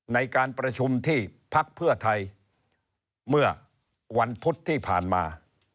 ในการประชุมที่พักเพื่อไทยเมื่อวันพุธที่ผ่านมา